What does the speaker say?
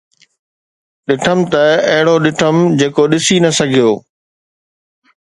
ڏٺم ته اهڙو ڏٺم جيڪو ڏسي نه سگهيو.